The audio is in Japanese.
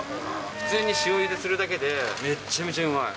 普通に塩ゆでするだけで、めっちゃめちゃうまい。